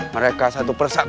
mereka satu persatu